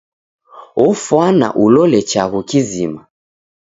Ofwana ulole chagu kizima.